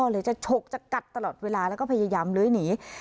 เลยจะฉกจะกัดตลอดเวลาแล้วก็พยายามเลื้อยหนี